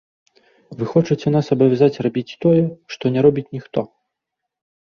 Вы хочаце нас абавязаць рабіць тое, што не робіць ніхто.